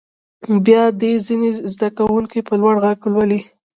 بیا دې ځینې زده کوونکي په لوړ غږ ولولي.